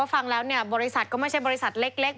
เพราะฟังแล้วบริษัทก็ไม่ใช่บริษัทเล็ก